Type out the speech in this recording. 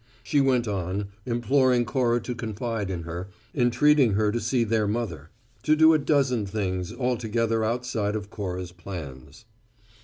She went on, imploring Cora to confide in her, entreating her to see their mother to do a dozen things altogether outside of Cora's plans.